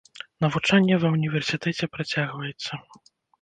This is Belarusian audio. Навучанне ва ўніверсітэце працягваецца.